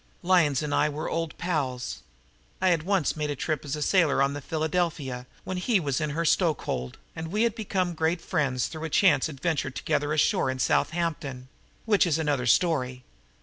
Lyons and I were old pals. I had once made a trip as sailor on the Philadelphia when he was in her stokehold, and we had become great friends through a chance adventure together ashore in Southampton which is another story.